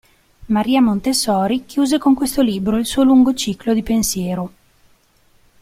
Maria Montessori chiuse con questo libro il suo lungo ciclo di pensiero.